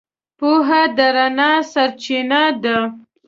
پوهه د رڼا سرچینه ده.